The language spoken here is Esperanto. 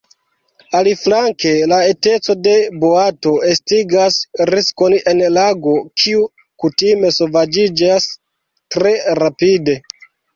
Aliflanke la eteco de boato estigas riskon en lago, kiu kutime sovaĝiĝas tre rapide.